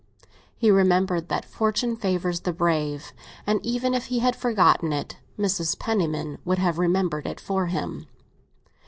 He remembered that fortune favours the brave, and even if he had forgotten it, Mrs. Penniman would have remembered it for him.